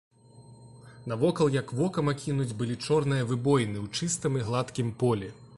Навокал, як вокам акінуць, былі чорныя выбоіны ў чыстым і гладкім полі.